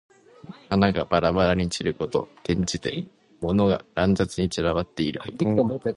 花がばらばらに散ること。転じて、物が乱雑に散らばっていること。